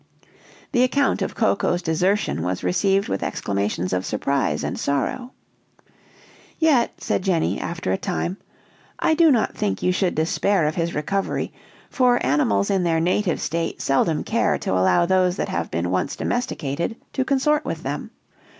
The account of Coco's desertion was received with exclamations of surprise and sorrow. "Yet," said Jenny, after a time, "I do not think you should despair of his recovery, for animals in their native state seldom care to allow those that have been once domesticated to consort with them.